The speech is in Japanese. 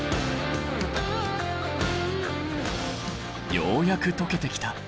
ようやくとけてきた。